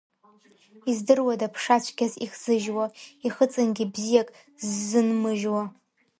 Издыруада ԥша цәгьас ихзыжьуа, ихыҵынгьы бзиак ззынмыжьуа.